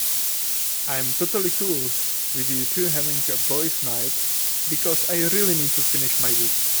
I am totally cool with you two having a boys' night because I really need to finish my book.